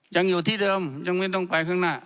ยังอยู่ที่เดิมยังไม่ต้องไปข้างหน้า